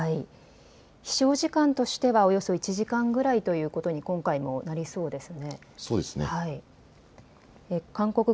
飛しょう時間としてはおよそ１時間ぐらいということに今回もなりそうですね。